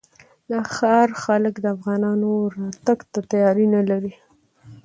د ښار خلک د افغانانو راتګ ته تیاری نه لري.